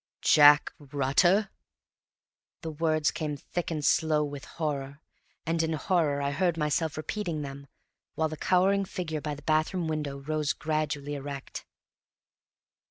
"JACK RUTTER?" The words came thick and slow with horror, and in horror I heard myself repeating them, while the cowering figure by the bathroom window rose gradually erect.